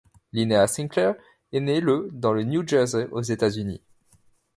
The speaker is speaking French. Linnea Sinclair est née le dans le New Jersey aux États-Unis.